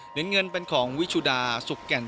เหรียญเงินเป็นของวิชุดาสุกแก่น